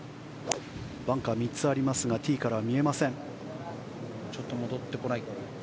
バンカーは３つありますがティーからは見えません。